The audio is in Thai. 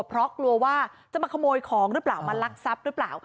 เพราะกลัวว่าจะมาขโมยของหรือเปล่ามาลักทรัพย์หรือเปล่า